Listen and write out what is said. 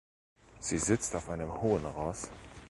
Sie sitzt auf einem hohen Ross.